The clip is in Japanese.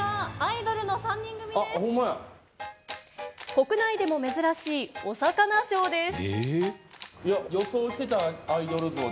国内でも珍しいおさかなショーです。